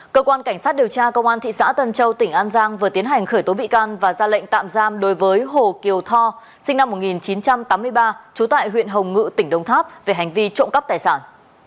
cơ quan cảnh sát điều tra công an thị xã tân châu tỉnh an giang vừa tiến hành khởi tố bị can và ra lệnh tạm giam đối với hồ kiều tho sinh năm một nghìn chín trăm tám mươi ba trú tại huyện hồng ngự tỉnh đông tháp về hành vi trộm cắp tài sản